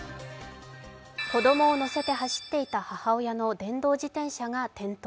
子供を乗せて走っていた母親の電動自転車が転倒。